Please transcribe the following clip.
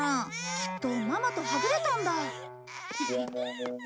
きっとママとはぐれたんだ。